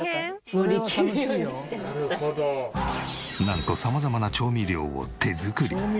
なんと様々な調味料を手作り。